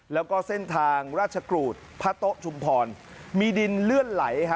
แล้วก็เส้นทางราชกรูดพระโต๊ะชุมพรมีดินเลื่อนไหล